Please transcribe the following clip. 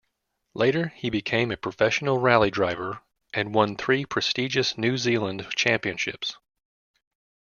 Later, he became a professional rally driver, and won three prestigious New Zealand championships.